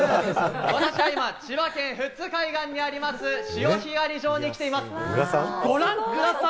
私は今、千葉県富津海岸にあります、潮干狩り場に来ています。